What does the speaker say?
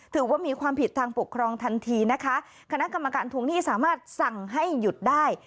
ถือว่ามีความผิดทางปกครองทันทีนะคะคณะกรรมการทวงหนี้สามารถสั่งให้หยุดได้